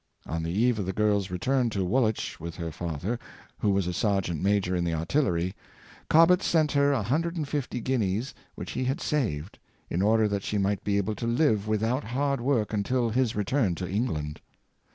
On the eve of the girPs return to Woolwich with her father, who was a sergeant major in the artillery, Cob bett sent her a hundred and fifty guineas which he had saved, in order that she might be able to live without hard work until his return to England.